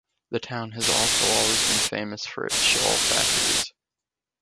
The town has also always been famous for its shawl factories.